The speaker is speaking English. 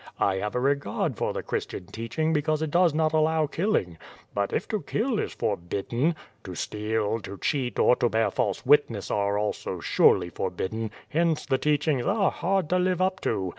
I have a regard for the Christian teaching because it does not allow killing. But if to kill is forbidden, to steal, to cheat, or to bear false witness are also surely for bidden, hence the teachings are hard to live up to.